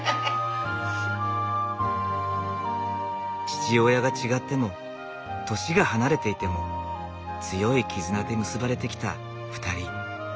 父親が違っても年が離れていても強い絆で結ばれてきた２人。